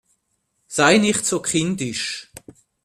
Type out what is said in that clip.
Sei nicht so kindisch